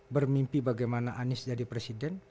bermimpi bagaimana anies jadi presiden